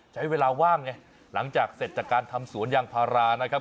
ใช้เวลาว่างไงหลังจากเสร็จจากการทำสวนยางพารานะครับ